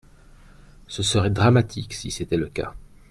Ce serait dramatique si c’était le cas.